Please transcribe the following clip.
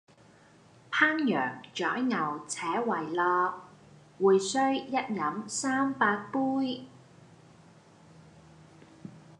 烹羊宰牛且為樂，會須一飲三百杯！